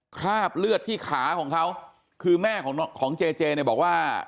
คราบเลือดที่ขาของเขาคือแม่ของเจเจเนี่ยบอกว่า